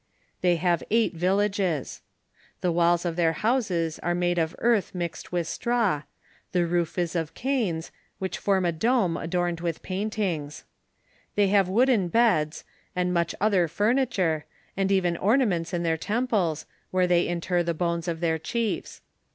They have eight villages. The wtills of their houses are made of earth mixed with straw ; the roof is of canes, which form a dome adorned with printings ; they have wooden beds, and much other furniture, and even ornaments in their temples, where they inter the bones of their chiefs.